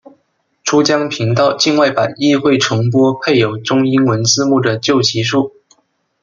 珠江频道境外版亦会重播配有中英文字幕的旧集数。